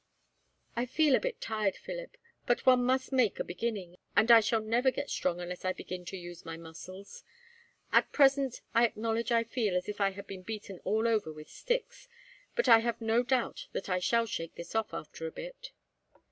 "I feel a bit tired, Philip, but one must make a beginning, and I shall never get strong unless I begin to use my muscles. At present, I acknowledge I feel as if I had been beaten all over with sticks, but I have no doubt that I shall shake this off, after a bit."